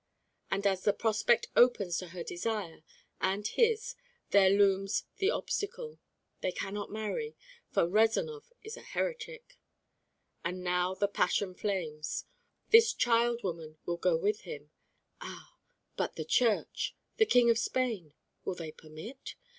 And as the prospect opens to her desire and his there looms the obstacle. They cannot marry, for Rezanov is a heretic. And now the passion flames. This child woman will go with him. Ah, but the church, the king of Spain, will they permit?